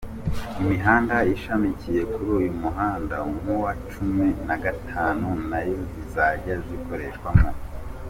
Imihanda ishamikiye kuri uyu muhanda nk’uwa Cumi na gatanu nayo zizajya zikoreshwamo.